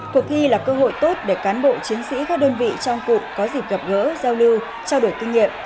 cuộc thi là cơ hội tốt để cán bộ chiến sĩ các đơn vị trong cụm có dịp gặp gỡ giao lưu trao đổi kinh nghiệm